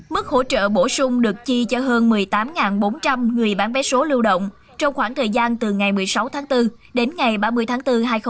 mức hỗ trợ bổ sung được chi cho hơn một mươi tám bốn trăm linh người bán vé số lưu động trong khoảng thời gian từ ngày một mươi sáu tháng bốn đến ngày ba mươi tháng bốn hai nghìn hai mươi